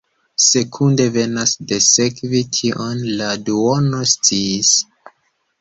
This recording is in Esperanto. Sekunde venas de sekvi, tion la duono sciis.